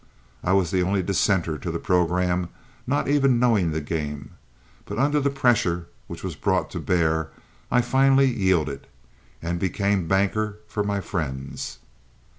I was the only dissenter to the programme, not even knowing the game; but under the pressure which was brought to bear I finally yielded, and became banker for my friends.